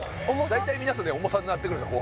大体皆さんね重さになってくるんですよ